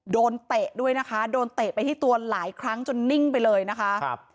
เตะด้วยนะคะโดนเตะไปที่ตัวหลายครั้งจนนิ่งไปเลยนะคะครับ